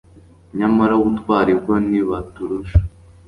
nyamara ubutwari bwo ntibaturusha